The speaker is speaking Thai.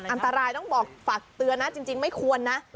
อันตรายต้องบอกฝากเตือนนะจริงไม่ควรนะ